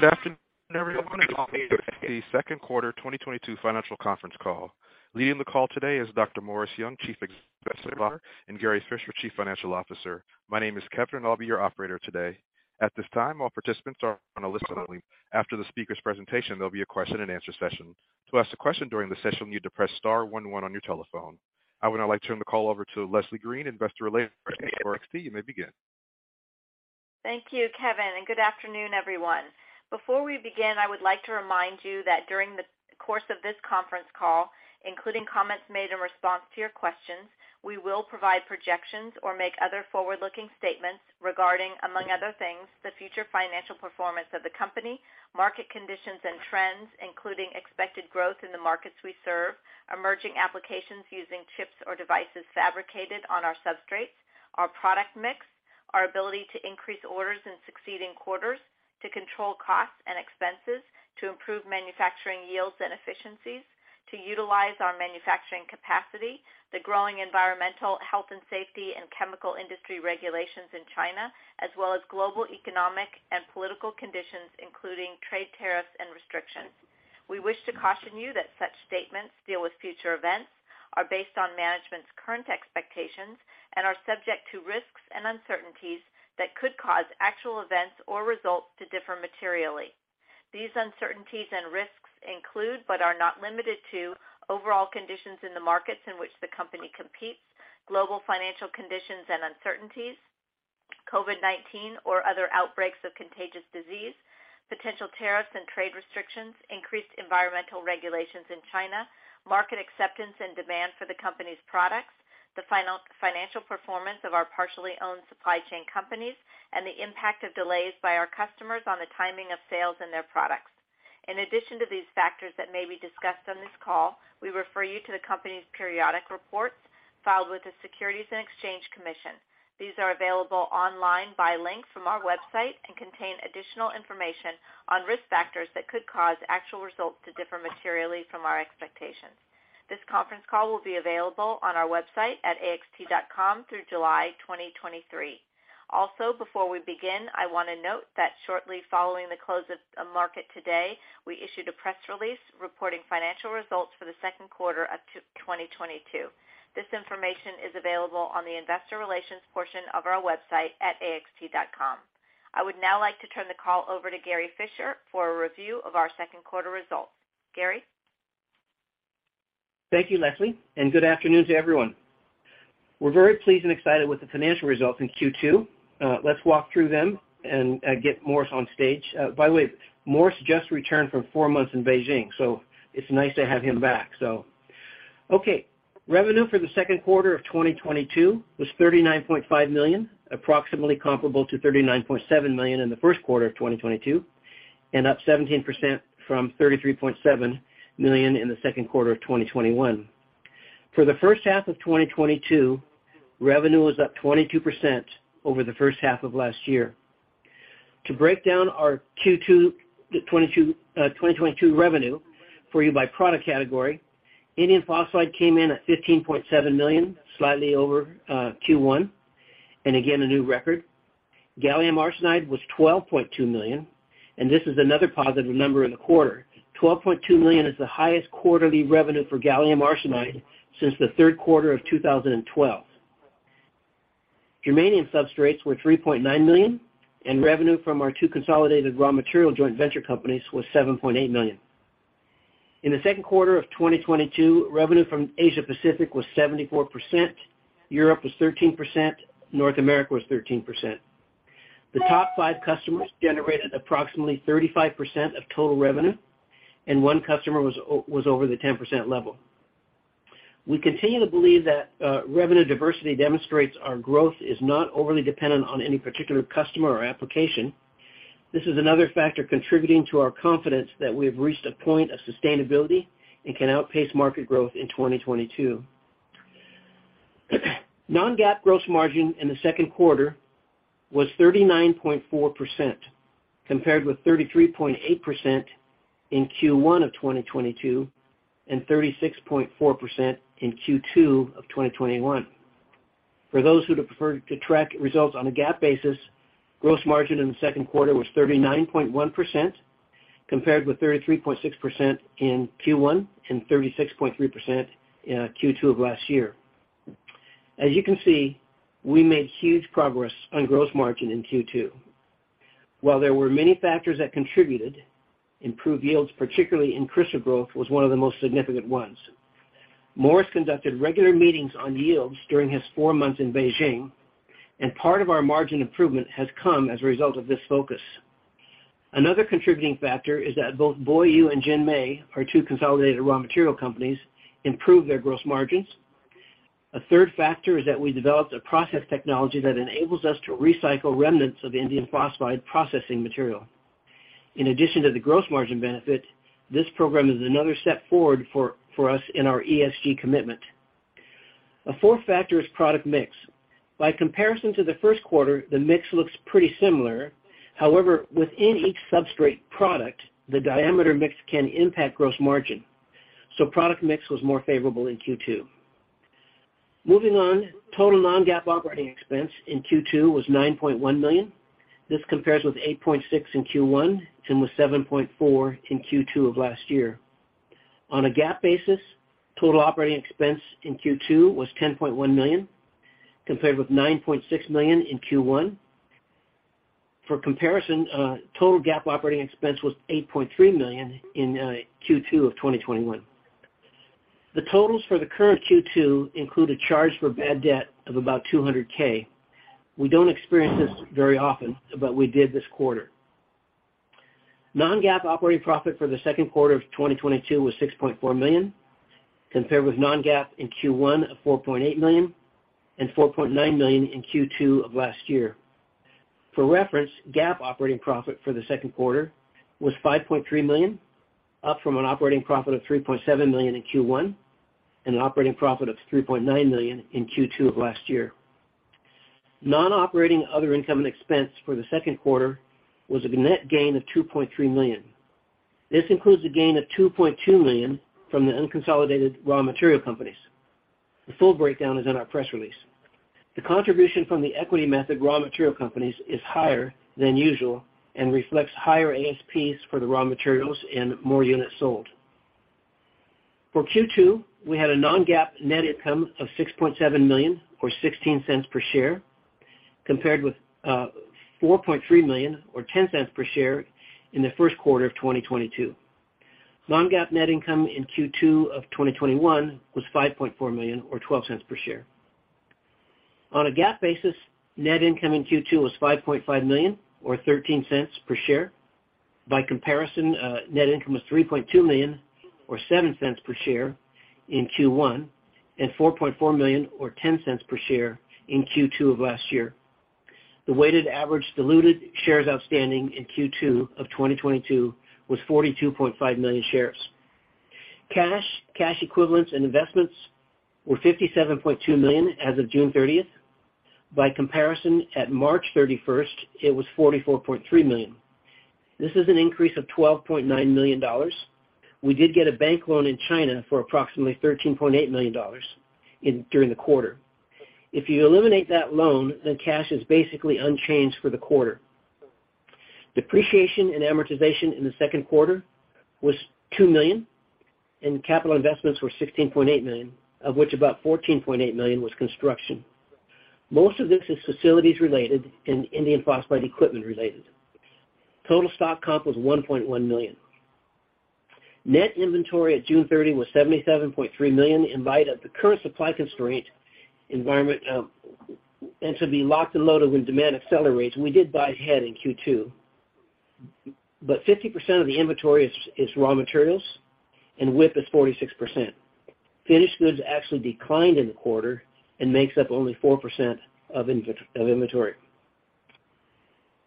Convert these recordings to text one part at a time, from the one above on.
Good afternoon, everyone, and welcome to the second quarter 2022 financial conference call. Leading the call today is Morris Young, Chief Executive Officer, and Gary Fischer, Chief Financial Officer. My name is Kevin, and I'll be your operator today. At this time, all participants are on a listen-only. After the speaker's presentation, there'll be a Q&A session. To ask a question during the session, you need to press star one one on your telephone. I would now like to turn the call over to Leslie Green, Investor Relations for AXT. You may begin. Thank you, Kevin, and good afternoon, everyone. Before we begin, I would like to remind you that during the course of this conference call, including comments made in response to your questions, we will provide projections or make other forward-looking statements regarding, among other things, the future financial performance of the company, market conditions and trends, including expected growth in the markets we serve, emerging applications using chips or devices fabricated on our substrates, our product mix, our ability to increase orders in succeeding quarters, to control costs and expenses, to improve manufacturing yields and efficiencies, to utilize our manufacturing capacity, the growing environmental, health and safety and chemical industry regulations in China, as well as global economic and political conditions, including trade tariffs and restrictions. We wish to caution you that such statements deal with future events, are based on management's current expectations, and are subject to risks and uncertainties that could cause actual events or results to differ materially. These uncertainties and risks include, but are not limited to, overall conditions in the markets in which the company competes, global financial conditions and uncertainties, COVID-19 or other outbreaks of contagious disease, potential tariffs and trade restrictions, increased environmental regulations in China, market acceptance and demand for the company's products, financial performance of our partially owned supply chain companies, and the impact of delays by our customers on the timing of sales and their products. In addition to these factors that may be discussed on this call, we refer you to the company's periodic reports filed with the Securities and Exchange Commission. These are available online by link from our website and contain additional information on risk factors that could cause actual results to differ materially from our expectations. This conference call will be available on our website at axt.com through July 2023. Before we begin, I want to note that shortly following the close of the market today, we issued a press release reporting financial results for the second quarter of 2022. This information is available on the Investor Relations portion of our website at axt.com. I would now like to turn the call over to Gary Fischer for a review of our second quarter results. Gary? Thank you, Leslie, and good afternoon to everyone. We're very pleased and excited with the financial results in Q2. Let's walk through them and get Morris on stage. By the way, Morris just returned from four months in Beijing, so it's nice to have him back. Okay. Revenue for the second quarter of 2022 was $39.5 million, approximately comparable to $39.7 million in the first quarter of 2022, and up 17% from $33.7 million in the second quarter of 2021. For the first half of 2022, revenue was up 22% over the first half of last year. To break down our Q2 2022 revenue for you by product category, indium phosphide came in at $15.7 million, slightly over Q1, and again a new record. Gallium arsenide was $12.2 million, and this is another positive number in the quarter. $12.2 million is the highest quarterly revenue for gallium arsenide since the third quarter of 2012. Germanium substrates were $3.9 million, and revenue from our two consolidated raw material joint venture companies was $7.8 million. In the second quarter of 2022, revenue from Asia Pacific was 74%, Europe was 13%, North America was 13%. The top five customers generated approximately 35% of total revenue, and one customer was over the 10% level. We continue to believe that revenue diversity demonstrates our growth is not overly dependent on any particular customer or application. This is another factor contributing to our confidence that we have reached a point of sustainability and can outpace market growth in 2022. Non-GAAP gross margin in the second quarter was 39.4%, compared with 33.8% in Q1 of 2022, and 36.4% in Q2 of 2021. For those who would prefer to track results on a GAAP basis, gross margin in the second quarter was 39.1%, compared with 33.6% in Q1 and 36.3% in Q2 of last year. As you can see, we made huge progress on gross margin in Q2. While there were many factors that contributed, improved yields, particularly in crystal growth, was one of the most significant ones. Morris conducted regular meetings on yields during his four months in Beijing, and part of our margin improvement has come as a result of this focus. Another contributing factor is that both BoYu and JinMei, our two consolidated raw material companies, improved their gross margins. A third factor is that we developed a process technology that enables us to recycle remnants of the indium phosphide processing material. In addition to the gross margin benefit, this program is another step forward for us in our ESG commitment. A fourth factor is product mix. By comparison to the first quarter, the mix looks pretty similar. However, within each substrate product, the diameter mix can impact gross margin, so product mix was more favorable in Q2. Moving on, total non-GAAP operating expense in Q2 was $9.1 million. This compares with $8.6 million in Q1 and was $7.4 million in Q2 of last year. On a GAAP basis, total operating expense in Q2 was $10.1 million, compared with $9.6 million in Q1. For comparison, total GAAP operating expense was $8.3 million in Q2 of 2021. The totals for the current Q2 include a charge for bad debt of about $200K. We don't experience this very often, but we did this quarter. Non-GAAP operating profit for the second quarter of 2022 was $6.4 million, compared with non-GAAP in Q1 of $4.8 million and $4.9 million in Q2 of last year. For reference, GAAP operating profit for the second quarter was $5.3 million, up from an operating profit of $3.7 million in Q1 and an operating profit of $3.9 million in Q2 of last year. Non-operating other income and expense for the second quarter was a net gain of $2.3 million. This includes a gain of $2.2 million from the unconsolidated raw material companies. The full breakdown is in our press release. The contribution from the equity method raw material companies is higher than usual and reflects higher ASPs for the raw materials and more units sold. For Q2, we had a non-GAAP net income of $6.7 million or $0.16 per share, compared with $4.3 million or $0.10 per share in the first quarter of 2022. Non-GAAP net income in Q2 of 2021 was $5.4 million or $0.12 per share. On a GAAP basis, net income in Q2 was $5.5 million or $0.13 per share. By comparison, net income was $3.2 million or $0.07 per share in Q1 and $4.4 million or $0.10 per share in Q2 of last year. The weighted average diluted shares outstanding in Q2 of 2022 was 42.5 million shares. Cash, cash equivalents and investments were $57.2 million as of June 30. By comparison, at March 31, it was $44.3 million. This is an increase of $12.9 million. We did get a bank loan in China for approximately $13.8 million during the quarter. If you eliminate that loan, then cash is basically unchanged for the quarter. Depreciation and amortization in the second quarter was $2 million, and capital investments were $16.8 million, of which about $14.8 million was construction. Most of this is facilities related and indium phosphide equipment related. Total stock comp was $1.1 million. Net inventory on June 30 was $77.3 million in light of the current supply constraint environment, and to be locked and loaded when demand accelerates. We did buy ahead in Q2, but 50% of the inventory is raw materials and WIP is 46%. Finished goods actually declined in the quarter and makes up only 4% of inventory.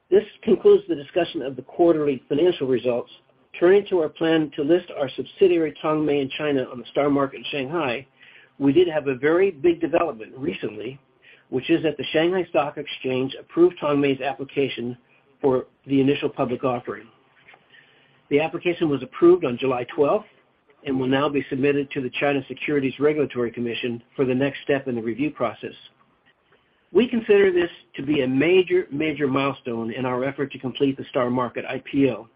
This concludes the discussion of the quarterly financial results. Turning to our plan to list our subsidiary, Tongmei in China on the STAR Market in Shanghai, we did have a very big development recently, which is that the Shanghai Stock Exchange approved Tongmei's application for the initial public offering. The application was approved on July 12th and will now be submitted to the China Securities Regulatory Commission for the next step in the review process. We consider this to be a major milestone in our effort to complete the STAR Market IPO,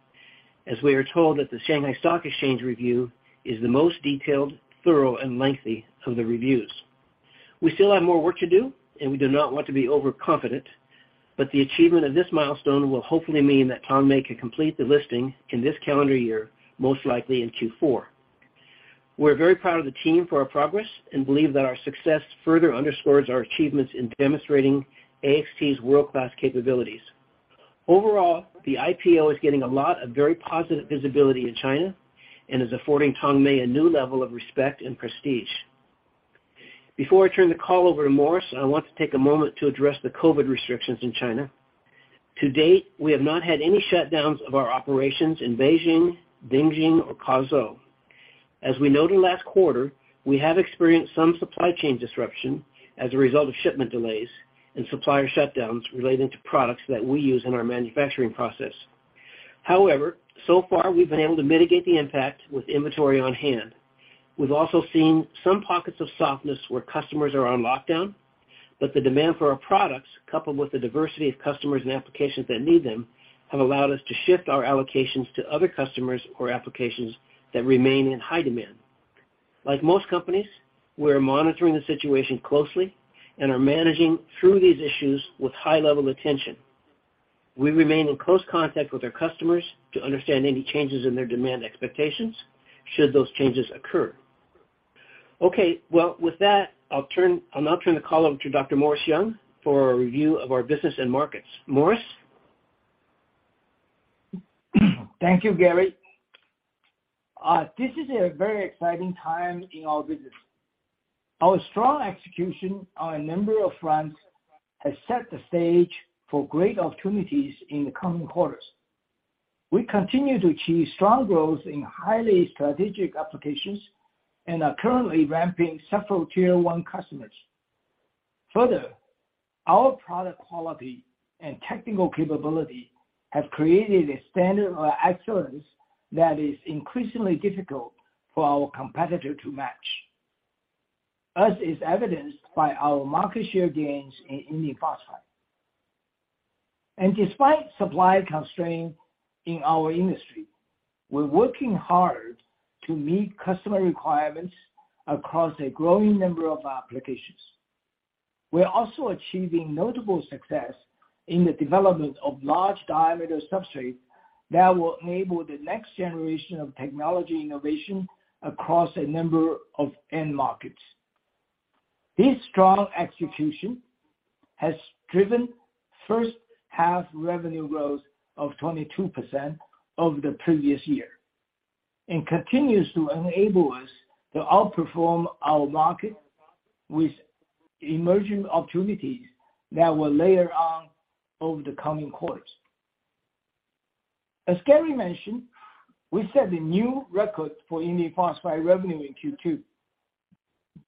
as we are told that the Shanghai Stock Exchange review is the most detailed, thorough and lengthy of the reviews. We still have more work to do, and we do not want to be overconfident, but the achievement of this milestone will hopefully mean that Tongmei can complete the listing in this calendar year, most likely in Q4. We're very proud of the team for our progress and believe that our success further underscores our achievements in demonstrating AXT's world-class capabilities. Overall, the IPO is getting a lot of very positive visibility in China and is affording Tongmei a new level of respect and prestige. Before I turn the call over to Morris, I want to take a moment to address the COVID restrictions in China. To date, we have not had any shutdowns of our operations in Beijing, Dingxing, or Kazuo. As we noted last quarter, we have experienced some supply chain disruption as a result of shipment delays and supplier shutdowns relating to products that we use in our manufacturing process. However, so far we've been able to mitigate the impact with inventory on hand. We've also seen some pockets of softness where customers are on lockdown, but the demand for our products, coupled with the diversity of customers and applications that need them, have allowed us to shift our allocations to other customers or applications that remain in high demand. Like most companies, we are monitoring the situation closely and are managing through these issues with high level attention. We remain in close contact with our customers to understand any changes in their demand expectations should those changes occur. Okay, well, with that, I'll now turn the call over to Dr. Morris Young for a review of our business and markets. Morris? Thank you, Gary. This is a very exciting time in our business. Our strong execution on a number of fronts has set the stage for great opportunities in the coming quarters. We continue to achieve strong growth in highly strategic applications and are currently ramping several tier one customers. Further, our product quality and technical capability have created a standard of excellence that is increasingly difficult for our competitor to match, as is evidenced by our market share gains in indium phosphide. Despite supply constraints in our industry, we're working hard to meet customer requirements across a growing number of applications. We're also achieving notable success in the development of large diameter substrates that will enable the next generation of technology innovation across a number of end markets. This strong execution has driven first half revenue growth of 22% over the previous year, and continues to enable us to outperform our market with emerging opportunities that will layer on over the coming quarters. As Gary mentioned, we set a new record for indium phosphide revenue in Q2.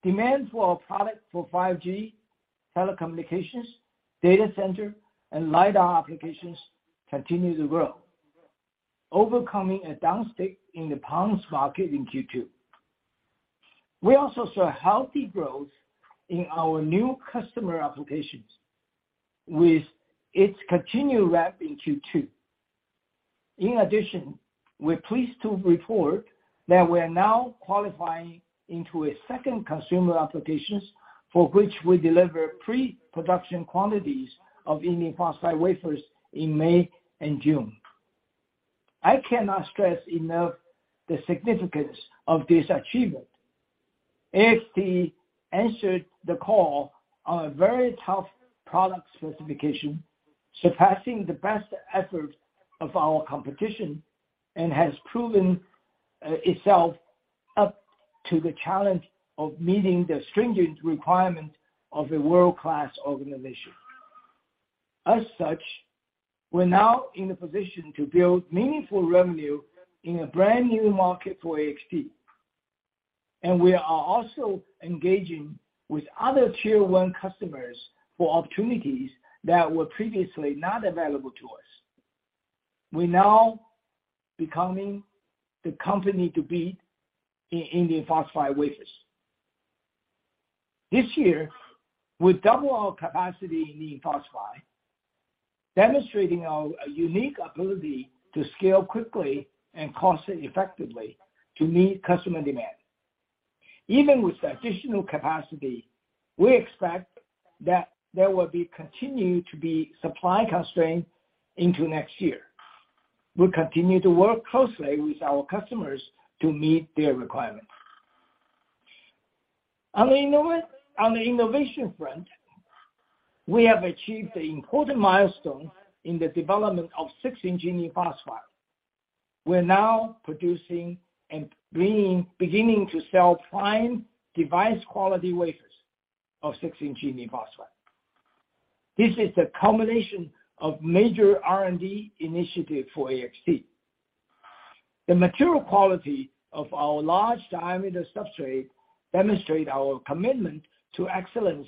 Demand for our product for 5G, telecommunications, data center, and Lidar applications continue to grow, overcoming a downside in the PON market in Q2. We also saw healthy growth in our new customer applications with its continued ramp in Q2. In addition, we're pleased to report that we're now qualifying into a second consumer applications for which we deliver pre-production quantities of indium phosphide wafers in May and June. I cannot stress enough the significance of this achievement. AXT answered the call on a very tough product specification, surpassing the best efforts of our competition, and has proven itself up to the challenge of meeting the stringent requirement of a world-class organization. As such, we're now in a position to build meaningful revenue in a brand-new market for AXT, and we are also engaging with other tier one customers for opportunities that were previously not available to us. We're now becoming the company to beat in indium phosphide wafers. This year, we double our capacity in indium phosphide, demonstrating our unique ability to scale quickly and cost-effectively to meet customer demand. Even with additional capacity, we expect that there will continue to be supply constraints into next year. We'll continue to work closely with our customers to meet their requirements. On the innovation front, we have achieved the important milestone in the development of 6-inch indium phosphide. We're now producing, beginning to sell fine device quality wafers of 6-inch indium phosphide. This is the culmination of major R&D initiative for AXT. The material quality of our large diameter substrate demonstrate our commitment to excellence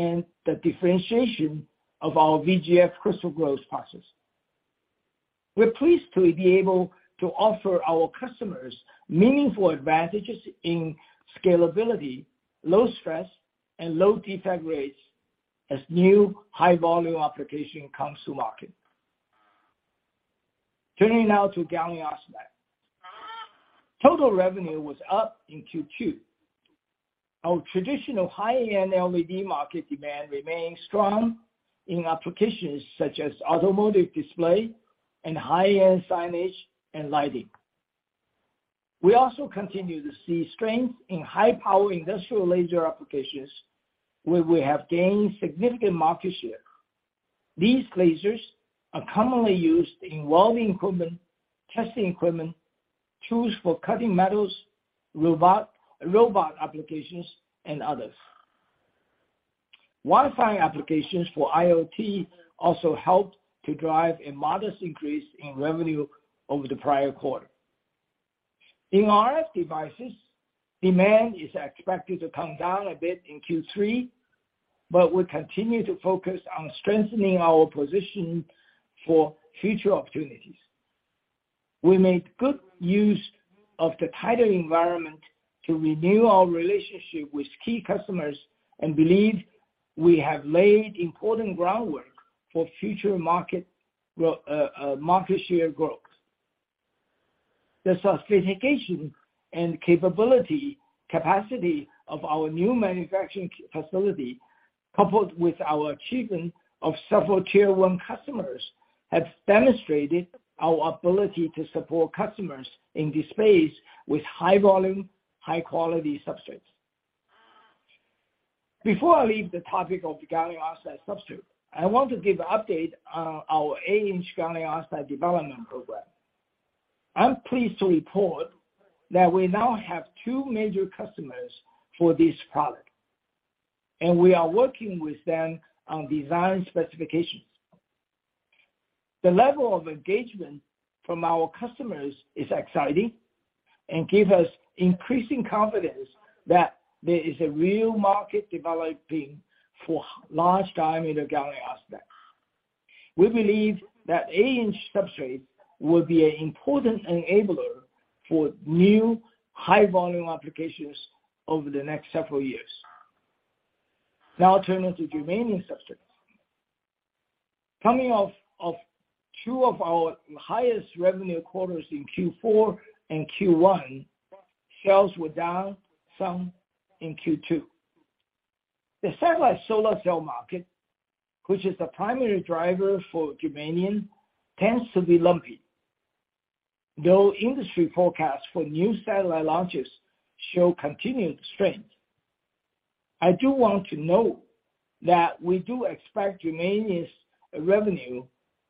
and the differentiation of our VGF crystal growth process. We're pleased to be able to offer our customers meaningful advantages in scalability, low stress, and low defect rates as new high volume application comes to market. Turning now to gallium arsenide. Total revenue was up in Q2. Our traditional high-end LED market demand remains strong in applications such as automotive display and high-end signage and lighting. We also continue to see strength in high power industrial laser applications, where we have gained significant market share. These lasers are commonly used in welding equipment, testing equipment, tools for cutting metals, robot applications, and others. Wi-Fi applications for IoT also help to drive a modest increase in revenue over the prior quarter. In RF devices, demand is expected to come down a bit in Q3, but we continue to focus on strengthening our position for future opportunities. We made good use of the tighter environment to renew our relationship with key customers, and believe we have laid important groundwork for future market share growth. The sophistication and capability, capacity of our new manufacturing facility, coupled with our achievement of several tier one customers, has demonstrated our ability to support customers in this space with high volume, high quality substrates. Before I leave the topic of gallium arsenide substrate, I want to give update on our 8-inch gallium arsenide development program. I'm pleased to report that we now have two major customers for this product, and we are working with them on design specifications. The level of engagement from our customers is exciting and give us increasing confidence that there is a real market developing for large diameter gallium arsenide. We believe that 8-inch substrate will be an important enabler for new high volume applications over the next several years. Now turning to germanium substrates. Coming off of two of our highest revenue quarters in Q4 and Q1, sales were down some in Q2. The satellite solar cell market, which is the primary driver for germanium, tends to be lumpy. Though industry forecasts for new satellite launches show continued strength, I do want to note that we do expect germanium's revenue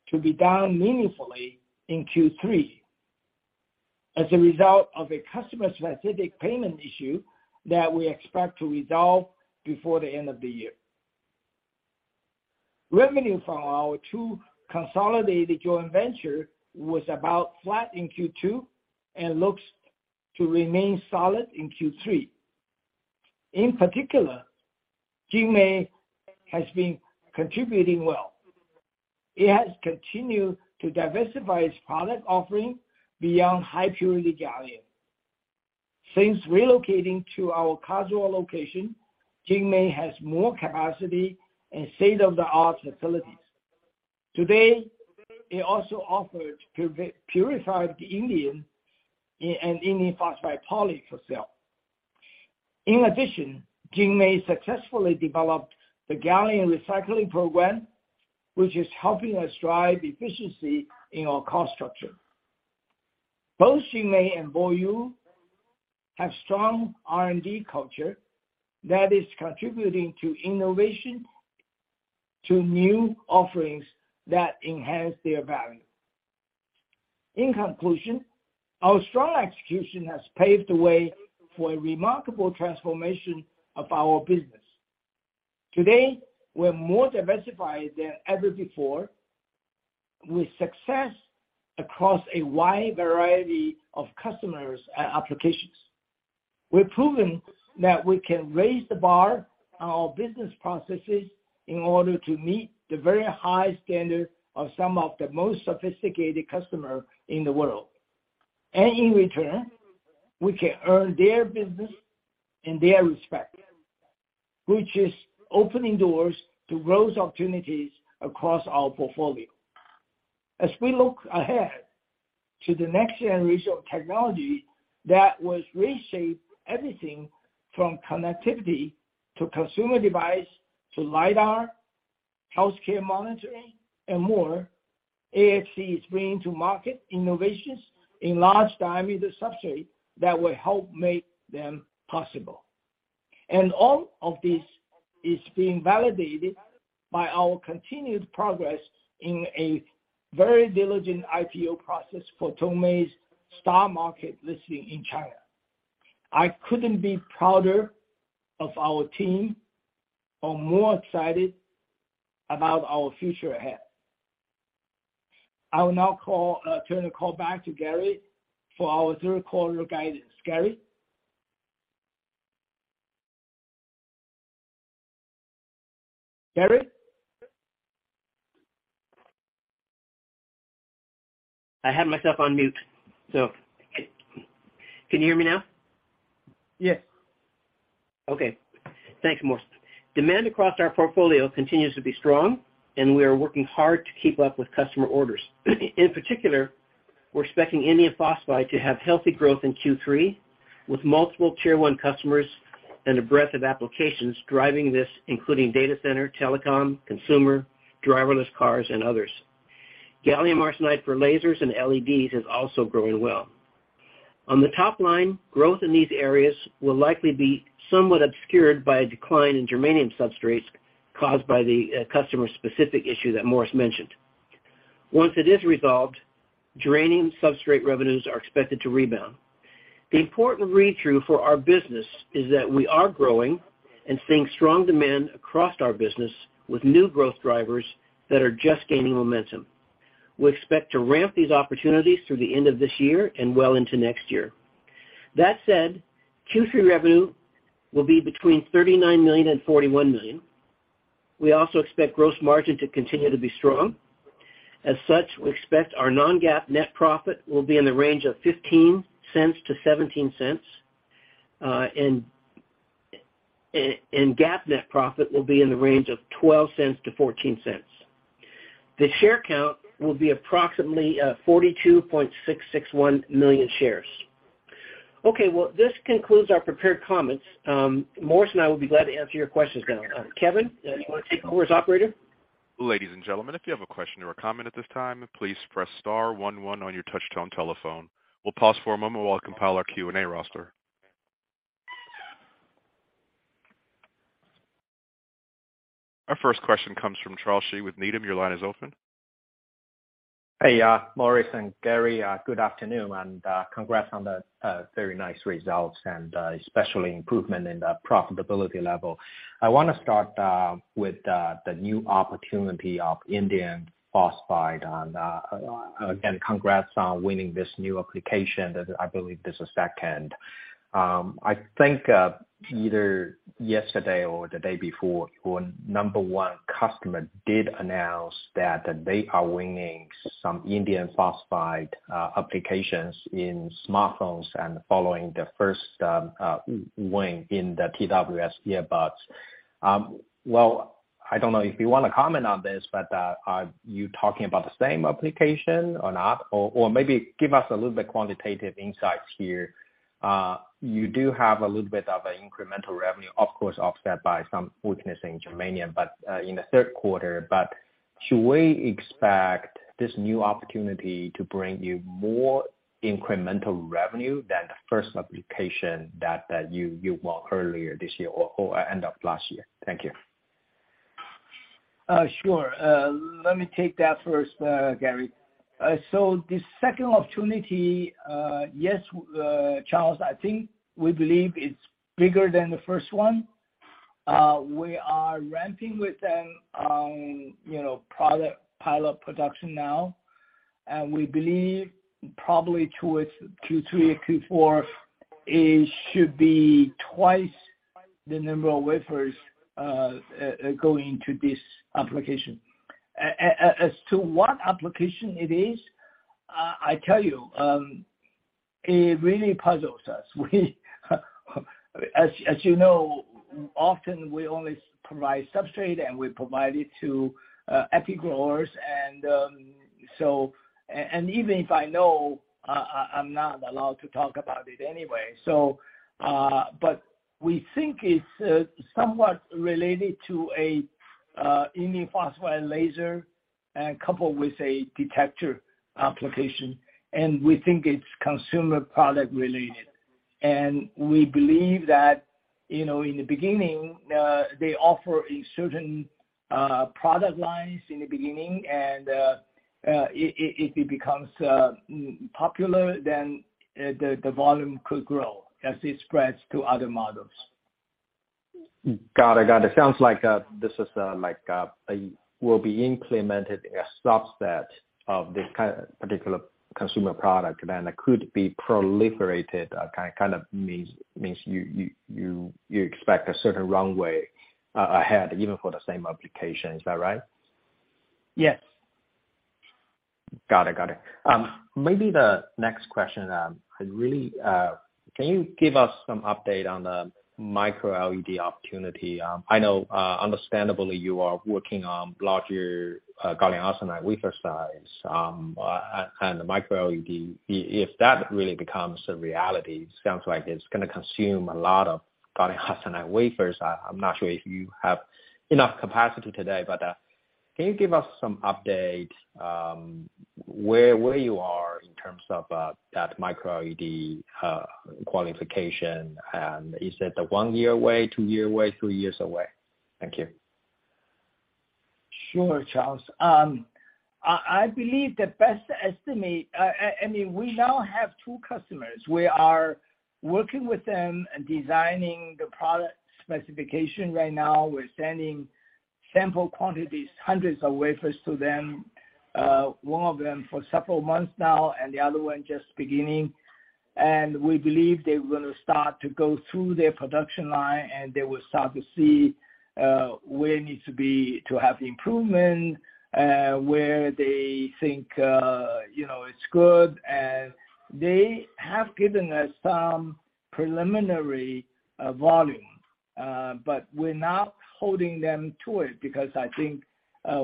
to be down meaningfully in Q3 as a result of a customer-specific payment issue that we expect to resolve before the end of the year. Revenue from our two consolidated joint venture was about flat in Q2 and looks to remain solid in Q3. In particular, JinMei has been contributing well. It has continued to diversify its product offering beyond high-purity gallium. Since relocating to our Kazuo location, JinMei has more capacity and state-of-the-art facilities. Today, it also offered purified indium and indium phosphide poly for sale. In addition, JinMei successfully developed the gallium recycling program, which is helping us drive efficiency in our cost structure. Both JinMei and BoYu have strong R&D culture that is contributing to innovation to new offerings that enhance their value. In conclusion, our strong execution has paved the way for a remarkable transformation of our business. Today, we're more diversified than ever before, with success across a wide variety of customers and applications. We've proven that we can raise the bar on our business processes in order to meet the very high standard of some of the most sophisticated customer in the world. In return, we can earn their business and their respect, which is opening doors to growth opportunities across our portfolio. As we look ahead to the next generation of technology that will reshape everything from connectivity to consumer device, to Lidar, healthcare monitoring, and more, AXT is bringing to market innovations in large diameter substrate that will help make them possible. All of this is being validated by our continued progress in a very diligent IPO process for Tongmei's STAR Market listing in China. I couldn't be prouder of our team or more excited about our future ahead. I will now turn the call back to Gary for our third quarter guidance. Gary? I had myself on mute, so can you hear me now? Yes. Okay. Thanks, Morris. Demand across our portfolio continues to be strong, and we are working hard to keep up with customer orders. In particular, we're expecting indium phosphide to have healthy growth in Q3 with multiple tier one customers and a breadth of applications driving this, including data center, telecom, consumer, driverless cars, and others. Gallium arsenide for lasers and LEDs is also growing well. On the top line, growth in these areas will likely be somewhat obscured by a decline in germanium substrates caused by the customer specific issue that Morris mentioned. Once it is resolved, germanium substrate revenues are expected to rebound. The important read-through for our business is that we are growing and seeing strong demand across our business with new growth drivers that are just gaining momentum. We expect to ramp these opportunities through the end of this year and well into next year. That said, Q3 revenue will be between $39 million-$41 million. We also expect gross margin to continue to be strong. As such, we expect our non-GAAP net profit will be in the range of $0.15-$0.17 and GAAP net profit will be in the range of $0.12-$0.14. The share count will be approximately 42.661 million shares. Okay. Well, this concludes our prepared comments. Morris and I will be glad to answer your questions now. Kevin, you wanna take us, operator? Ladies and gentlemen, if you have a question or a comment at this time, please press star one one on your touchtone telephone. We'll pause for a moment while I compile our Q&A roster. Our first question comes from Charles Shi with Needham. Your line is open. Hey, Morris and Gary. Good afternoon, and congrats on the very nice results and especially improvement in the profitability level. I wanna start with the new opportunity of indium phosphide. Again, congrats on winning this new application. I believe this is second. I think either yesterday or the day before, your number one customer did announce that they are winning some indium phosphide applications in smartphones and following the first win in the TWS earbuds. Well, I don't know if you wanna comment on this, but are you talking about the same application or not? Or maybe give us a little bit quantitative insights here. You do have a little bit of an incremental revenue, of course, offset by some weakness in germanium, but in the third quarter. Should we expect this new opportunity to bring you more incremental revenue than the first application that you won earlier this year or end of last year? Thank you. Sure. Let me take that first, Gary. The second opportunity, yes, Charles, I think we believe it's bigger than the first one. We are ramping with them on, you know, product pilot production now. We believe probably towards Q3 or Q4, it should be twice the number of wafers going into this application. As to what application it is, I tell you, it really puzzles us. We, as you know, often only provide substrate, and we provide it to epi growers. Even if I know, I'm not allowed to talk about it anyway. But we think it's somewhat related to an indium phosphide laser and coupled with a detector application, and we think it's consumer product related. We believe that, you know, in the beginning, they offer a certain product line in the beginning and if it becomes more popular, then the volume could grow as it spreads to other models. Got it. Sounds like this is like will be implemented a subset of this particular consumer product, and it could be proliferated, kind of means you expect a certain runway ahead, even for the same application. Is that right? Yes. Got it. Maybe the next question. Can you give us some update on the microLED opportunity? I know, understandably you are working on larger gallium arsenide wafer size and microLED. If that really becomes a reality, it sounds like it's gonna consume a lot of gallium arsenide wafers. I'm not sure if you have enough capacity today, but can you give us some update where you are in terms of that microLED qualification? Is it one year away, two year away, three years away? Thank you. Sure, Charles. I believe the best estimate. I mean, we now have two customers. We are working with them and designing the product specification right now. We're sending sample quantities, hundreds of wafers to them, one of them for several months now and the other one just beginning. We believe they're gonna start to go through their production line, and they will start to see where it needs to be to have improvement, where they think, you know, it's good. They have given us some preliminary volume, but we're not holding them to it, because I think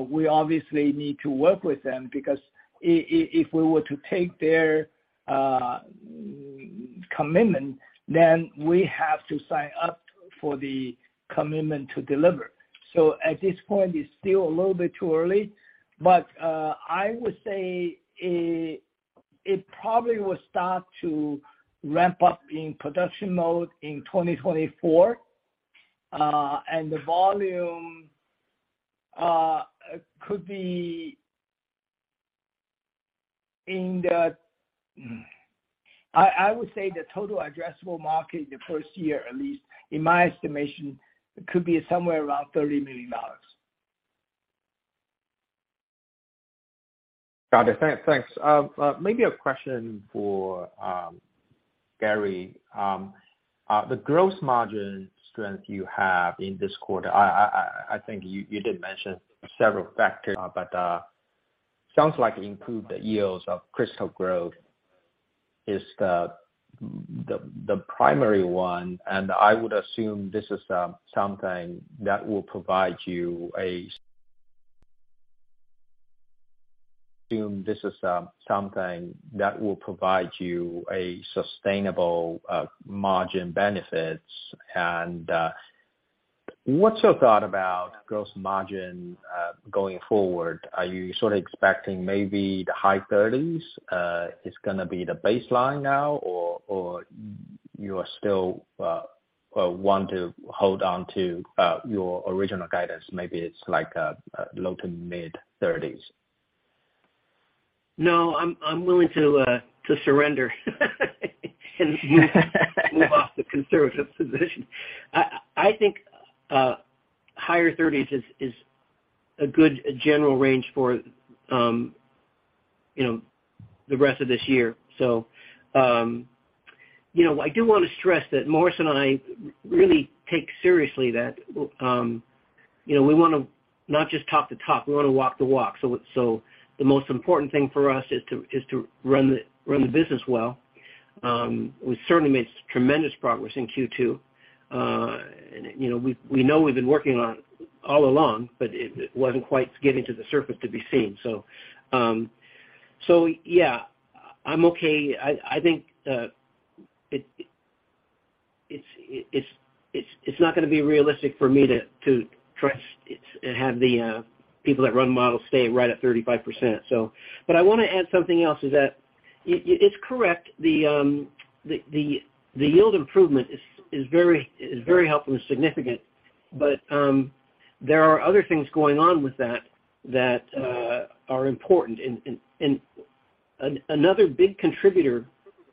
we obviously need to work with them. Because if we were to take their commitment, then we have to sign up for the commitment to deliver. At this point, it's still a little bit too early. I would say it probably will start to ramp up in production mode in 2024. I would say the total addressable market in the first year at least, in my estimation, could be somewhere around $30 million. Got it. Thanks. Maybe a question for Gary. The gross margin strength you have in this quarter, I think you did mention several factors but sounds like improved yields of crystal growth is the primary one. I would assume this is something that will provide you a sustainable margin benefit. What's your thought about gross margin going forward? Are you sort of expecting maybe the high 30s is gonna be the baseline now or you are still want to hold on to your original guidance. Maybe it's like low- to mid-30s. No, I'm willing to surrender and move off the conservative position. I think higher 30s is a good general range for you know the rest of this year. I do wanna stress that Morris and I really take seriously that you know we wanna not just talk the talk, we wanna walk the walk. So, the most important thing for us is to run the business well. We certainly made tremendous progress in Q2. You know we know we've been working on all along, but it wasn't quite getting to the surface to be seen. Yeah. I'm okay. I think it's not gonna be realistic for me to trust and have the people that run models stay right at 35%, so. I want to add something else is that it's correct. The yield improvement is very helpful and significant. There are other things going on with that that are important. Another big contributor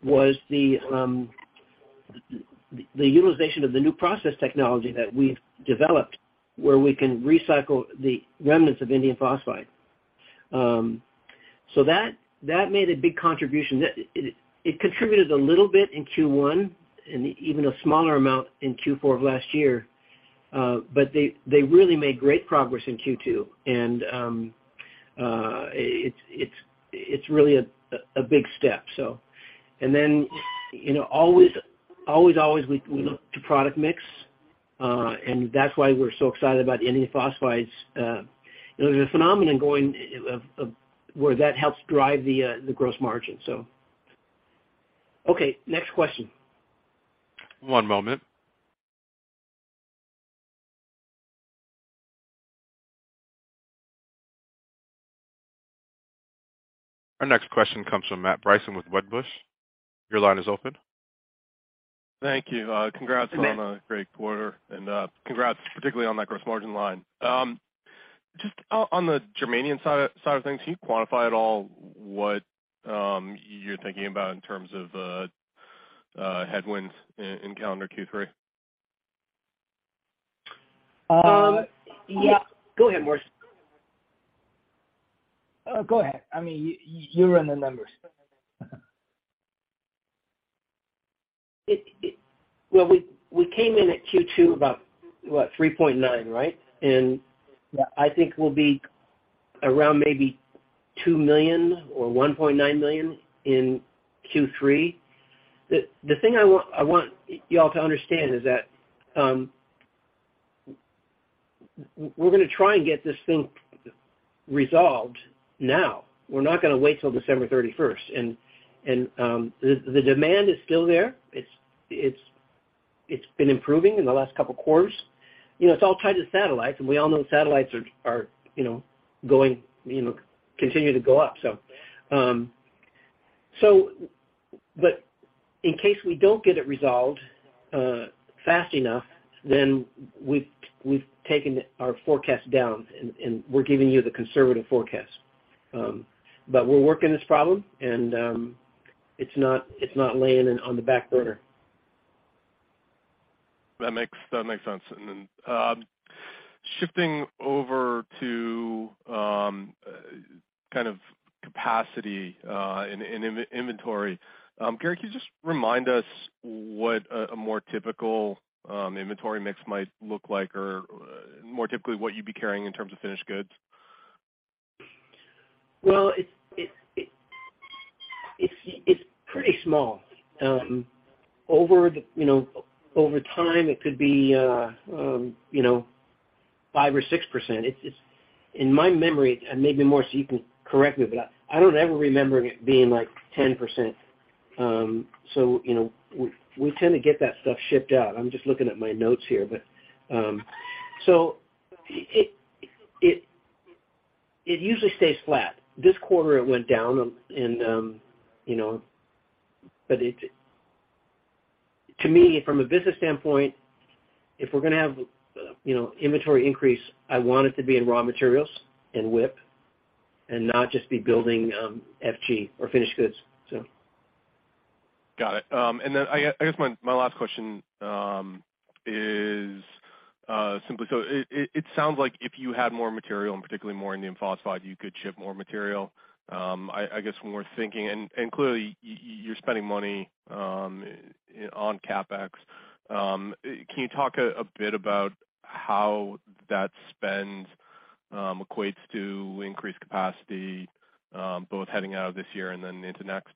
was the utilization of the new process technology that we've developed, where we can recycle the remnants of indium phosphide. That made a big contribution. It contributed a little bit in Q1 and even a smaller amount in Q4 of last year. They really made great progress in Q2. It's really a big step. You know, always, we look to product mix, and that's why we're so excited about the indium phosphide. You know, there's a phenomenon going on where that helps drive the gross margin. Okay, next question. One moment. Our next question comes from Matt Bryson with Wedbush. Your line is open. Thank you. Congrats. On a great quarter and congrats particularly on that gross margin line. Just on the germanium side of things, can you quantify at all what you're thinking about in terms of headwinds in calendar Q3? Um. Yeah. Go ahead, Morris. Go ahead. I mean, you run the numbers. Well, we came in at Q2 about $3.9 million, right? I think we'll be around maybe $2 million or $1.9 million in Q3. The thing I want y'all to understand is that we're gonna try and get this thing resolved now. We're not gonna wait till December 31st. The demand is still there. It's been improving in the last couple quarters. You know, it's all tied to satellites, and we all know satellites are going, you know, continue to go up. But in case we don't get it resolved fast enough, then we've taken our forecast down and we're giving you the conservative forecast. But we're working this problem and it's not lying on the back burner. That makes sense. Shifting over to kind of capacity and inventory. Gary, can you just remind us what a more typical inventory mix might look like or more typically what you'd be carrying in terms of finished goods? Well, it's pretty small. Over time, you know, it could be 5% or 6%. It's in my memory, and maybe Morris, you can correct me, but I don't ever remember it being like 10%. You know, we tend to get that stuff shipped out. I'm just looking at my notes here, but. It usually stays flat. This quarter, it went down and, you know. To me, from a business standpoint, if we're gonna have, you know, inventory increase, I want it to be in raw materials and WIP and not just be building FG or finished goods. Got it. I guess my last question is simply so it sounds like if you had more material and particularly more indium phosphide, you could ship more material. I guess one more thing, and clearly you're spending money on CapEx. Can you talk a bit about how that spend equates to increased capacity, both heading into this year and then into next?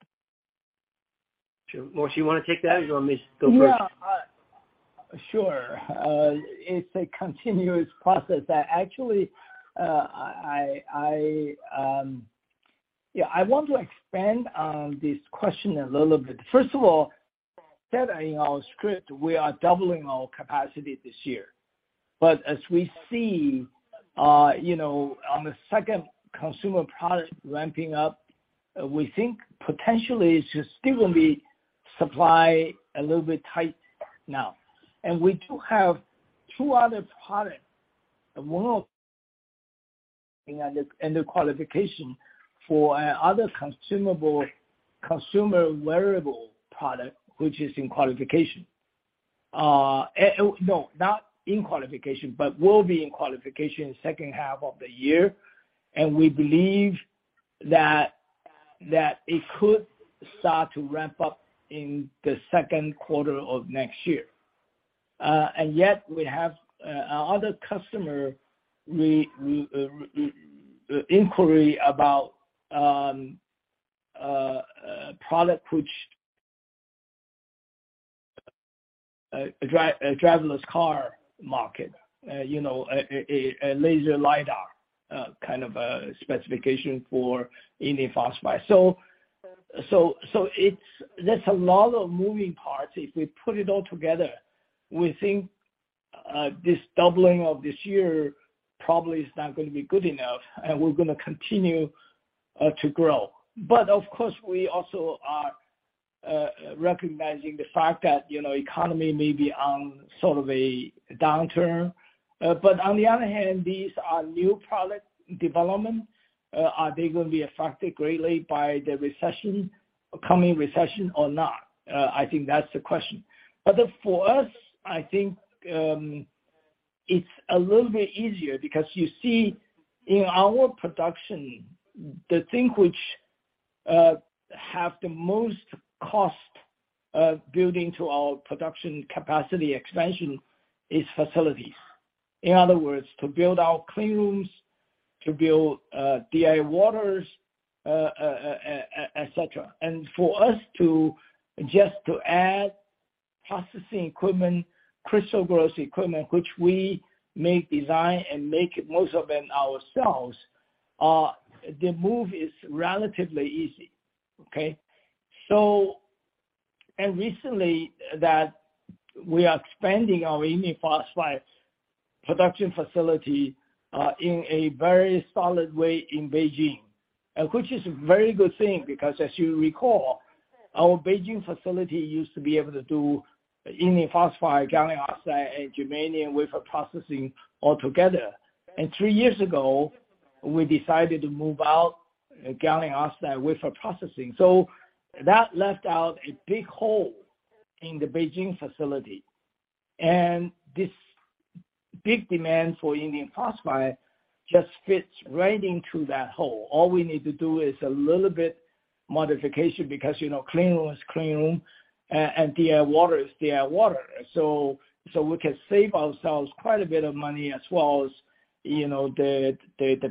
Sure. Morris, you wanna take that, or you want me to go first? Yeah. Sure. It's a continuous process. Actually, I want to expand on this question a little bit. First of all, said in our script, we are doubling our capacity this year. As we see, you know, on the second consumer product ramping up, we think potentially it should still be supply a little bit tight now. We do have two other products, and one of in the qualification for other consumable consumer wearable product, which will be in qualification second half of the year. We believe that it could start to ramp up in the second quarter of next year. Yet we have other customer inquiry about product which a driverless car market, you know, a laser Lidar kind of a specification for indium phosphide. That's a lot of moving parts. If we put it all together, we think, this doubling of this year probably is not gonna be good enough, and we're gonna continue, to grow. Of course, we also are, recognizing the fact that, you know, economy may be on sort of a downturn. On the other hand, these are new product development. Are they gonna be affected greatly by the recession, coming recession or not? I think that's the question. For us, I think, it's a little bit easier because you see in our production, the thing which, have the most cost, building to our production capacity expansion is facilities. In other words, to build our clean rooms, to build, DI waters, et cetera. For us just to add processing equipment, crystal growth equipment, which we design and make most of them ourselves, the move is relatively easy, okay? Recently, we are expanding our indium phosphide's production facility in a very solid way in Beijing, which is a very good thing, because as you recall, our Beijing facility used to be able to do indium phosphide, gallium arsenide and germanium wafer processing altogether. Three years ago, we decided to move out gallium arsenide wafer processing. That left out a big hole in the Beijing facility. This big demand for indium phosphide just fits right into that hole. All we need to do is a little bit modification because, you know, clean room is clean room, and DI water is DI water. We can save ourselves quite a bit of money as well as, you know, the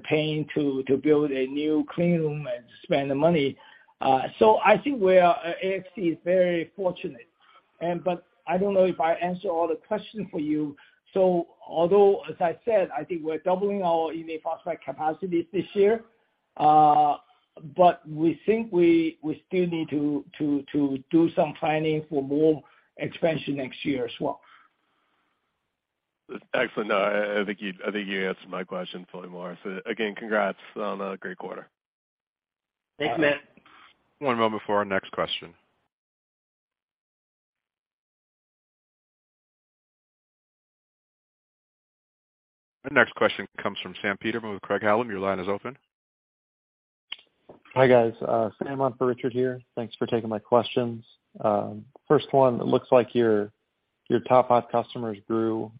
paying to build a new clean room and spend the money. I think we are, AXT is very fortunate. I don't know if I answered all the questions for you. Although as I said, I think we're doubling our indium phosphide capacity this year, but we think we still need to do some planning for more expansion next year as well. Excellent. No, I think you answered my question fully, Morris. Again, congrats on a great quarter. Thanks, Matt. One moment before our next question. The next question comes from Sam Peterman with Craig-Hallum. Your line is open. Hi, guys. Sam on for Richard here. Thanks for taking my questions. First one, it looks like your top five customers grew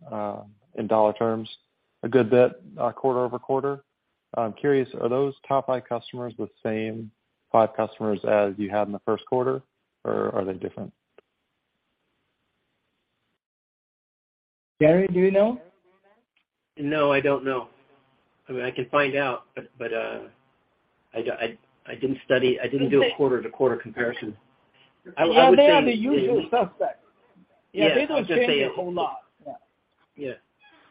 in dollar terms a good bit quarter-over-quarter. I'm curious, are those top five customers the same five customers as you had in the first quarter, or are they different? Gary, do you know? No, I don't know. I mean, I can find out, but I didn't study. I didn't do a quarter-to-quarter comparison. I would say. Yeah, they are the usual suspects. Yeah, I'll just say. They don't change a whole lot. Yeah.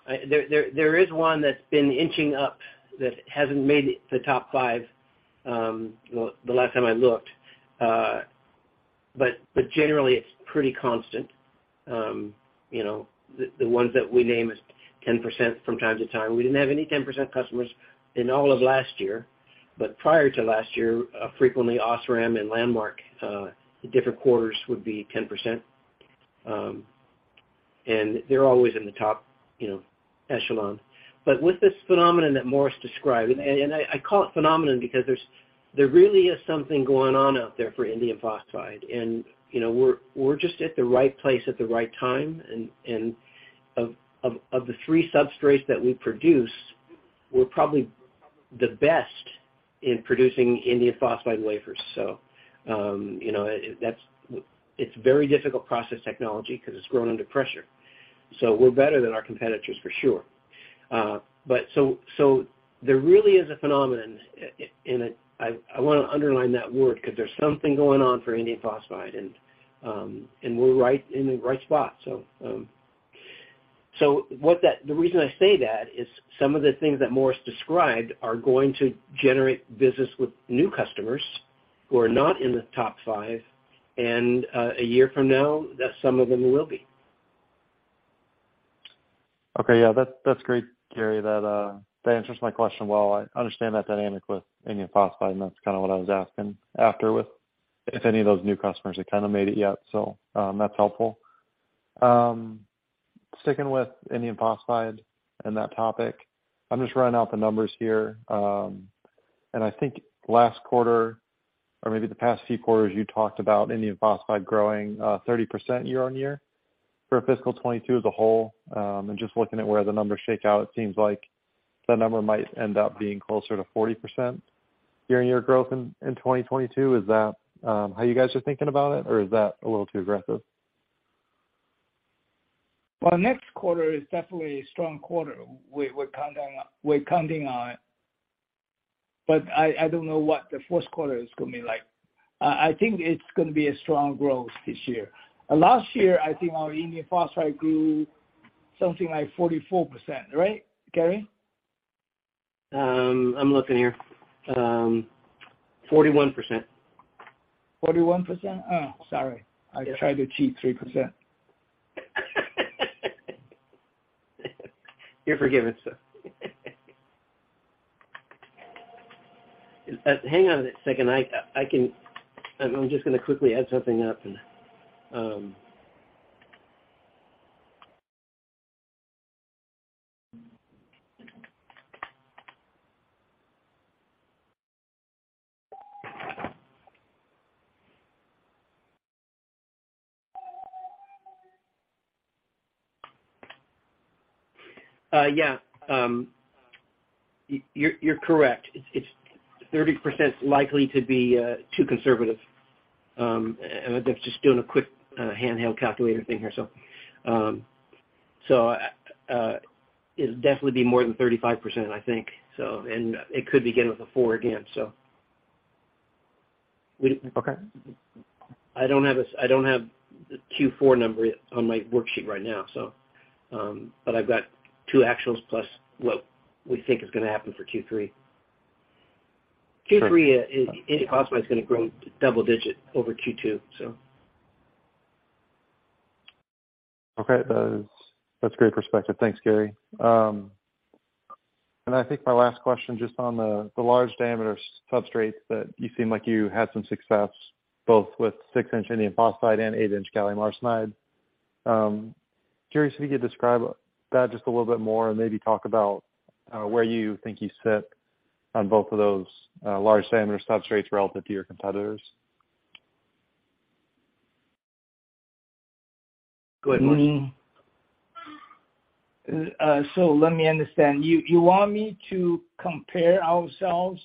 Yeah. There is one that's been inching up that hasn't made the top five, well, the last time I looked. Generally, it's pretty constant. You know, the ones that we name is 10% from time-to-time. We didn't have any 10% customers in all of last year. Prior to last year, frequently OSRAM and Lumentum, different quarters would be 10%. They're always in the top, you know, echelon. With this phenomenon that Morris described, and I call it phenomenon because there really is something going on out there for indium phosphide. You know, we're just at the right place at the right time. Of the three substrates that we produce, we're probably the best in producing indium phosphide wafers. It's very difficult process technology 'cause it's grown under pressure. You know, we're better than our competitors for sure. There really is a phenomenon and I wanna underline that word 'cause there's something going on for indium phosphide and we're right in the right spot. The reason I say that is some of the things that Morris described are going to generate business with new customers who are not in the top five, and a year from now, some of them will be. That's great, Gary. That answers my question well. I understand that dynamic with indium phosphide, and that's kind of what I was asking after with if any of those new customers had kinda made it yet. That's helpful. Sticking with indium phosphide and that topic, I'm just running out the numbers here. I think last quarter or maybe the past few quarters, you talked about indium phosphide growing 30% year-on-year for fiscal 2022 as a whole. Just looking at where the numbers shake out, it seems like the number might end up being closer to 40% year-on-year growth in 2022. Is that how you guys are thinking about it, or is that a little too aggressive? Well, next quarter is definitely a strong quarter we're counting on it, but I don't know what the fourth quarter is gonna be like. I think it's gonna be a strong growth this year. Last year, I think our indium phosphide grew something like 44%. Right, Gary? I'm looking here. 41%. 41%? Oh, sorry. I tried to cheat 3%. You're forgiven, sir. Hang on a second. I'm just gonna quickly add something up. Yeah. You're correct. It's 30% is likely to be too conservative. That's just doing a quick handheld calculator thing here. It'll definitely be more than 35%, I think, and it could begin with a 4 again. Okay. I don't have the Q4 number on my worksheet right now, so but I've got two actuals plus what we think is gonna happen for Q3. Q3, indium phosphide is gonna grow double digit over Q2, so. Okay. That's great perspective. Thanks, Gary. I think my last question just on the large diameter substrates that you seem like you had some success both with 6-inch indium phosphide and 8-inch gallium arsenide. Curious if you could describe that just a little bit more and maybe talk about where you think you sit on both of those large diameter substrates relative to your competitors. Go ahead, Morris. Let me understand. You want me to compare ourselves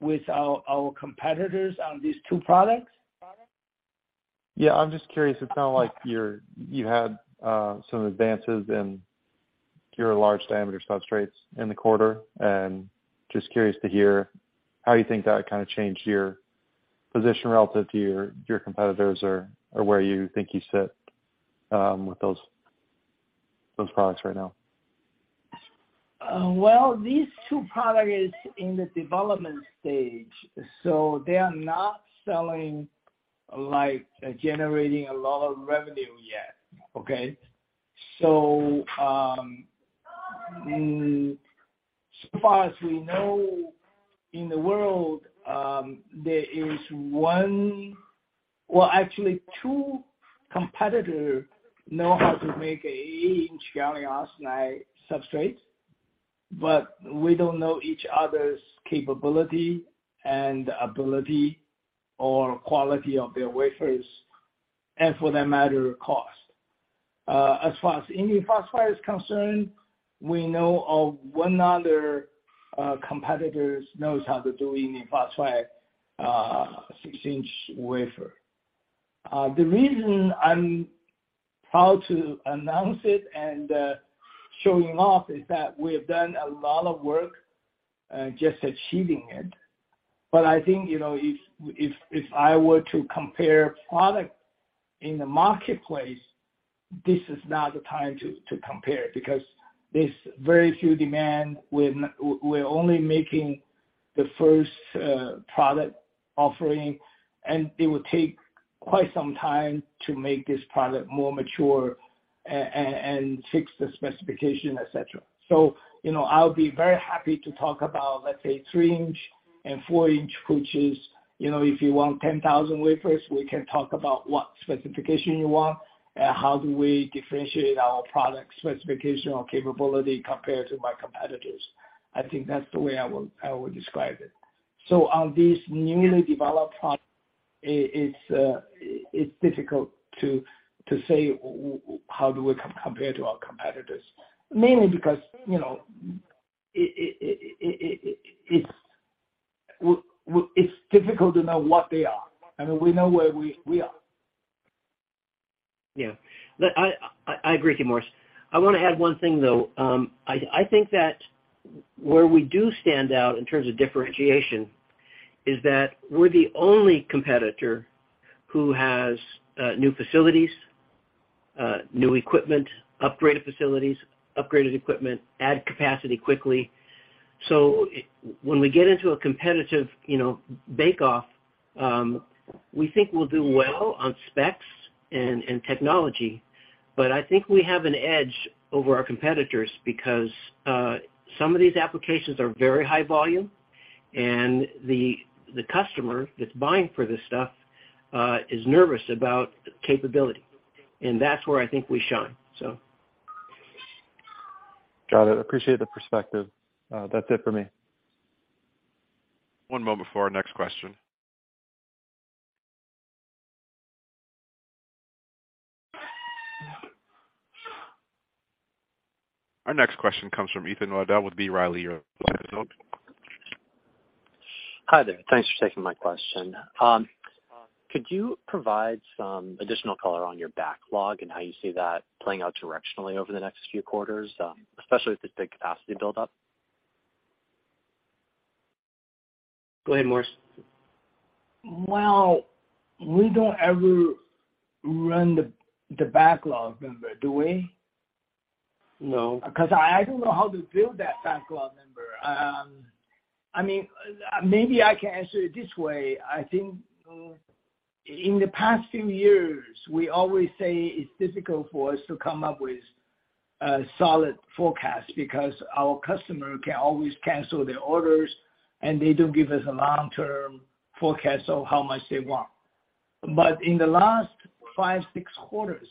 with our competitors on these two products? Yeah, I'm just curious. It's kind of like you had some advances in your large diameter substrates in the quarter. Just curious to hear how you think that kind of changed your position relative to your competitors or where you think you sit with those products right now. Well, these two products in the development stage, so they are not selling, like generating a lot of revenue yet. As far as we know, in the world, there is one or actually two competitor know how to make 8-inch gallium arsenide substrate, but we don't know each other's capability and ability or quality of their wafers, and for that matter, cost. As far as indium phosphide is concerned, we know of one other, competitors knows how to do indium phosphide, 6-inch wafer. The reason I'm proud to announce it and showing off is that we have done a lot of work, just achieving it. I think, you know, if I were to compare product in the marketplace, this is not the time to compare because there's very few demand. We're only making the first product offering, and it would take quite some time to make this product more mature and fix the specification, et cetera. You know, I'll be very happy to talk about, let's say, 3-inch and 4-inch, which is, you know, if you want 10,000 wafers, we can talk about what specification you want, how do we differentiate our product specification or capability compared to my competitors. I think that's the way I would describe it. On these newly developed products, it's difficult to say how we compare to our competitors. Mainly because, you know, it's difficult to know what they are, and we know where we are. Yeah. I agree with you, Morris. I wanna add one thing, though. I think that where we do stand out in terms of differentiation is that we're the only competitor who has new facilities, new equipment, upgraded facilities, upgraded equipment to add capacity quickly. When we get into a competitive bake-off, you know, we think we'll do well on specs and technology. I think we have an edge over our competitors because some of these applications are very high volume, and the customer that's buying for this stuff is nervous about capability. That's where I think we shine. Got it. Appreciate the perspective. That's it for me. One moment before our next question. Our next question comes from Ethan Waddell with B. Riley. Hi there. Thanks for taking my question. Could you provide some additional color on your backlog and how you see that playing out directionally over the next few quarters, especially with this big capacity buildup? Go ahead, Morris. Well, we don't ever run the backlog number, do we? No. Because I don't know how to build that backlog number. I mean, maybe I can answer it this way. I think in the past few years, we always say it's difficult for us to come up with a solid forecast because our customer can always cancel their orders, and they don't give us a long-term forecast of how much they want. In the last five, six quarters,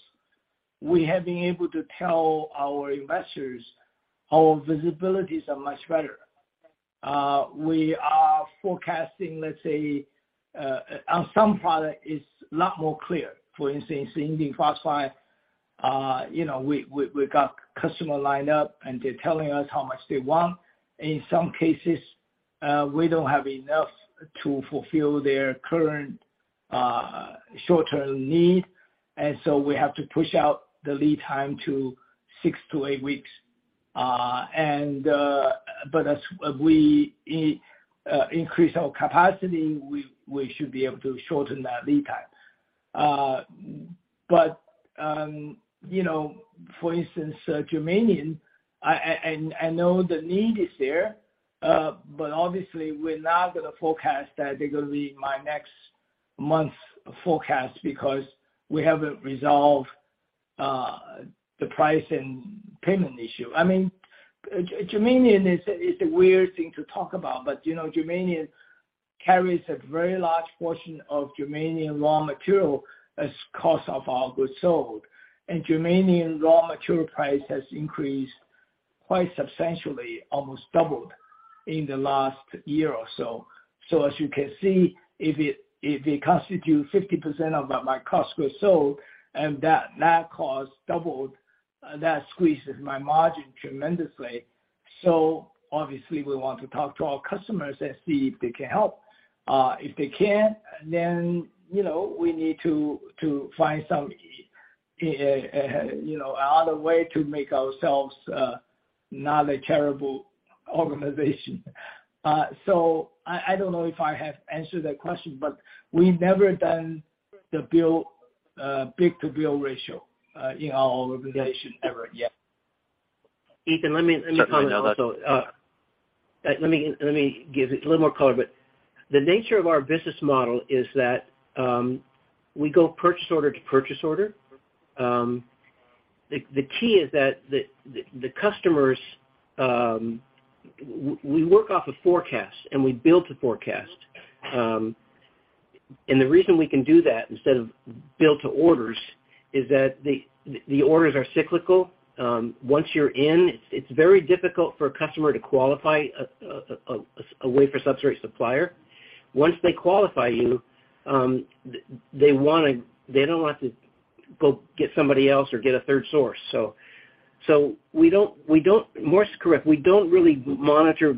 we have been able to tell our investors our visibilities are much better. We are forecasting, let's say, on some product, it's a lot more clear. For instance, indium phosphide, you know, we got customer lined up, and they're telling us how much they want. In some cases, we don't have enough to fulfill their current short-term need, and so we have to push out the lead time to six weeks to eight weeks. As we increase our capacity, we should be able to shorten that lead time. You know, for instance, germanium, I know the need is there, but obviously we're not gonna forecast that they're gonna be in my next month's forecast because we haven't resolved the price and payment issue. I mean, germanium is a weird thing to talk about, but you know, germanium carries a very large portion of germanium raw material as cost of goods sold. Germanium raw material price has increased quite substantially, almost doubled in the last year or so. As you can see, if it constitutes 50% of my cost of goods sold and that cost doubled, that squeezes my margin tremendously. Obviously we want to talk to our customers and see if they can help. If they can't, you know, we need to find some, you know, another way to make ourselves not a terrible organization. I don't know if I have answered that question, but we've never done the bill-to-bill ratio in our organization ever yet. Ethan, let me comment also. Certainly. No, that's. Let me give a little more color, but the nature of our business model is that we go purchase order to purchase order. The key is that the customers we work off a forecast and we build to forecast. The reason we can do that instead of build to orders is that the orders are cyclical. Once you're in, it's very difficult for a customer to qualify a wafer substrate supplier. Once they qualify you, they don't want to go get somebody else or get a third source. We don't. Morris is correct. We don't really monitor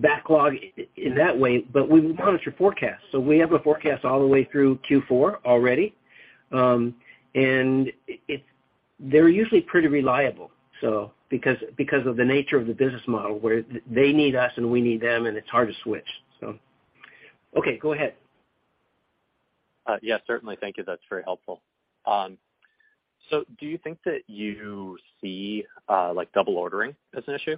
backlog in that way, but we monitor forecasts. We have a forecast all the way through Q4 already. They're usually pretty reliable, because of the nature of the business model, where they need us and we need them, and it's hard to switch. Okay, go ahead. Yeah, certainly. Thank you. That's very helpful. So do you think that you see, like double ordering as an issue?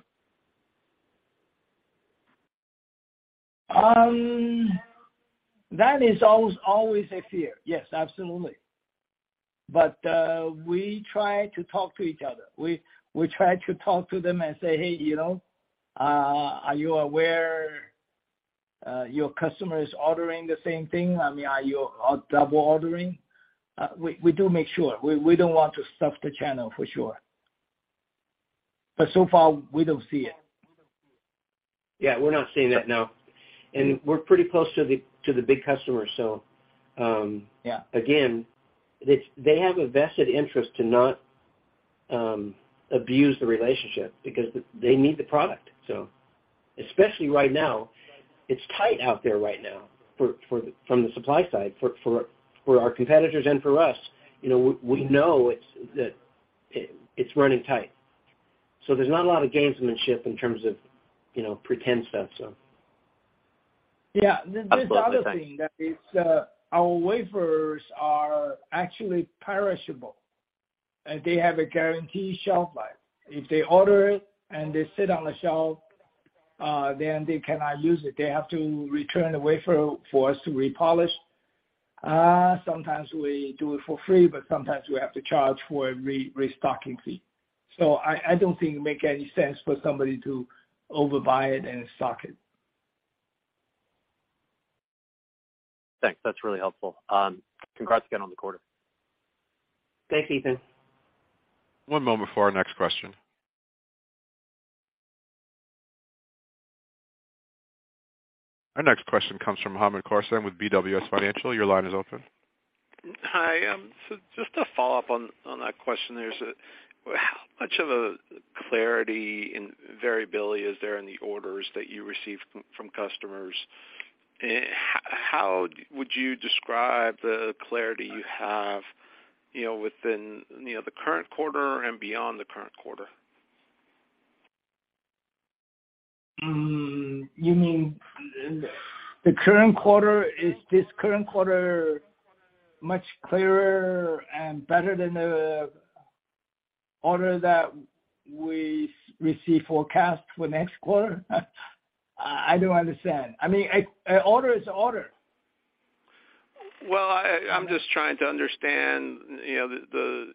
That is always a fear. Yes, absolutely. We try to talk to each other. We try to talk to them and say, "Hey, you know, are you aware, your customer is ordering the same thing? I mean, are you, double ordering?" We do make sure. We don't want to stuff the channel, for sure. So far, we don't see it. Yeah, we're not seeing that, no. We're pretty close to the big customer, so. Yeah Again, it's they have a vested interest to not abuse the relationship because they need the product. Especially right now, it's tight out there right now for our competitors and for us. You know, we know it's running tight. There's not a lot of gamesmanship in terms of, you know, pretend stuff. Yeah. The other thing that is, our wafers are actually perishable, and they have a guaranteed shelf life. If they order it and they sit on the shelf, then they cannot use it. They have to return the wafer for us to repolish. Sometimes we do it for free, but sometimes we have to charge for a restocking fee. I don't think it make any sense for somebody to overbuy it and stock it. Thanks. That's really helpful. Congrats again on the quarter. Thanks, Ethan. One moment for our next question. Our next question comes from Hamed Khorsand with BWS Financial. Your line is open. Hi. So just to follow up on that question, there's how much of a clarity and variability is there in the orders that you receive from customers? How would you describe the clarity you have, you know, within, you know, the current quarter and beyond the current quarter? You mean the current quarter? Is this current quarter much clearer and better than the order that we see forecast for next quarter? I don't understand. I mean, an order is an order. Well, I'm just trying to understand, you know,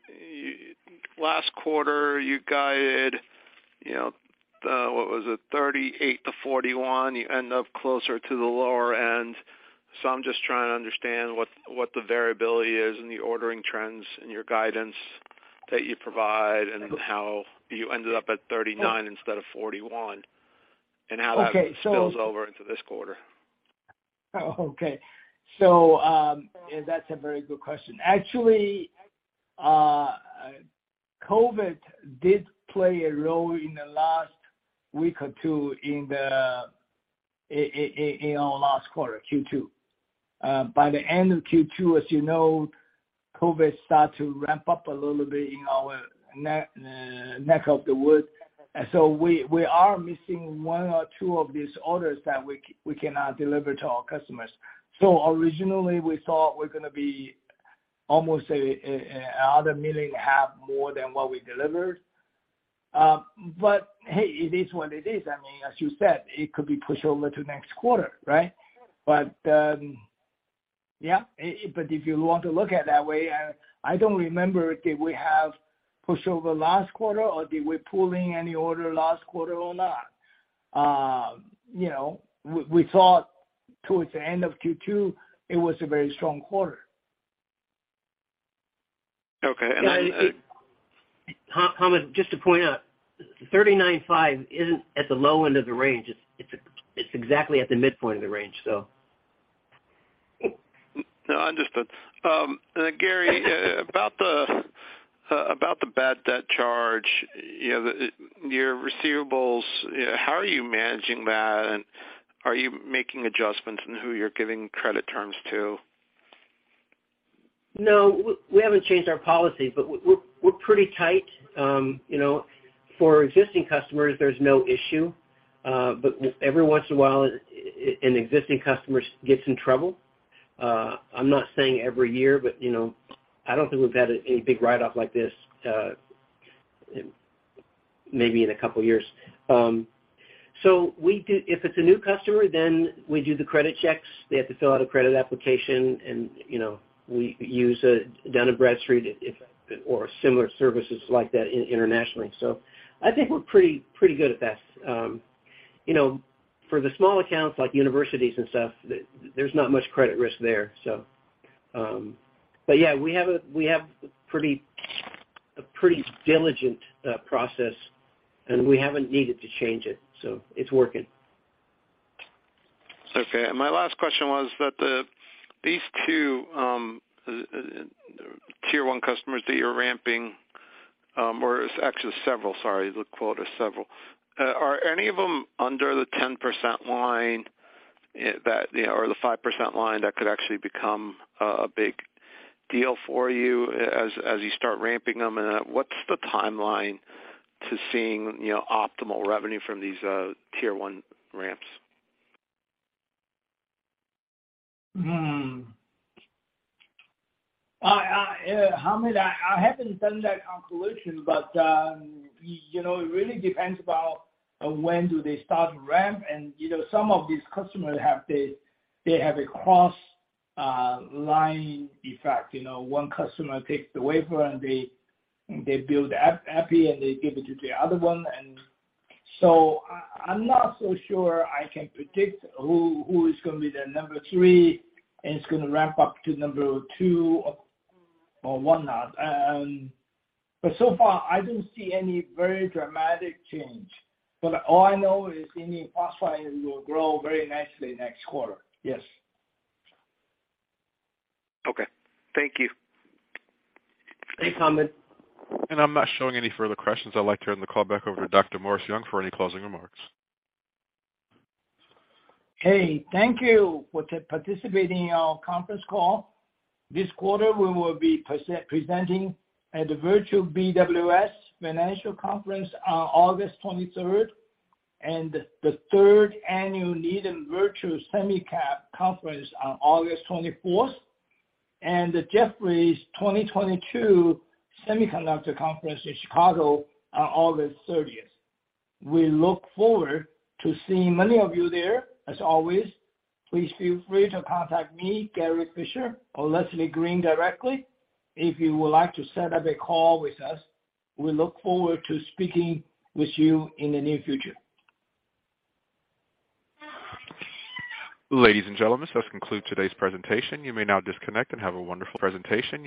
last quarter you guided, you know, what was it? $38-$41, you end up closer to the lower end. I'm just trying to understand what the variability is in the ordering trends in your guidance that you provide and how you ended up at $39 instead of $41, and how that spills over into this quarter. Oh, okay. That's a very good question. Actually, COVID did play a role in the last week or two in our last quarter, Q2. By the end of Q2, as you know, COVID started to ramp up a little bit in our neck of the woods. We are missing one or two of these orders that we cannot deliver to our customers. Originally, we thought we're gonna be almost another half million more than what we delivered. Hey, it is what it is. I mean, as you said, it could be pushed over to next quarter, right? Yeah. If you want to look at it that way, I don't remember if we have pushed over last quarter or did we pull any order last quarter or not. You know, we thought towards the end of Q2, it was a very strong quarter. Okay. And it- Hamed, just to point out, 39.5 isn't at the low end of the range. It's exactly at the midpoint of the range, so. No, understood. Gary, about the bad debt charge, you know, the your receivables, how are you managing that, and are you making adjustments in who you're giving credit terms to? No, we haven't changed our policy, but we're pretty tight. You know, for existing customers, there's no issue. Every once in a while, an existing customer gets in trouble. I'm not saying every year, but you know, I don't think we've had a big write-off like this, maybe in a couple of years. If it's a new customer, then we do the credit checks. They have to fill out a credit application and, you know, we use Dun & Bradstreet or similar services like that internationally. I think we're pretty good at that. You know, for the small accounts like universities and stuff, there's not much credit risk there. Yeah, we have a pretty diligent process, and we haven't needed to change it, so it's working. Okay. My last question was that these two tier one customers that you're ramping, or it's actually several, the quote is several. Are any of them under the 10% line that, you know, or the 5% line that could actually become a big deal for you as you start ramping them? What's the timeline to seeing, you know, optimal revenue from these tier one ramps? Hamed, I haven't done that calculation, but you know, it really depends about when do they start to ramp. You know, some of these customers have a cross-line effect. You know, one customer takes the wafer and they build the epi and they give it to the other one. I'm not so sure I can predict who is gonna be the number three, and it's gonna ramp up to number two or whatnot. So far, I don't see any very dramatic change. All I know is indium phosphide will grow very nicely next quarter. Yes. Okay. Thank you. Thanks, Hamed. I'm not showing any further questions. I'd like to turn the call back over to Dr. Morris Young for any closing remarks. Okay, thank you for participating in our conference call. This quarter, we will be presenting at the Virtual BWS Financial Conference on August 23rd, and the third annual Needham Virtual SemiCap Conference on August 24th, and the Jefferies 2022 Semiconductor Conference in Chicago on August 30th. We look forward to seeing many of you there as always. Please feel free to contact me, Gary Fischer or Leslie Green directly if you would like to set up a call with us. We look forward to speaking with you in the near future. Ladies and gentlemen, this does conclude today's presentation. You may now disconnect and have a wonderful presentation.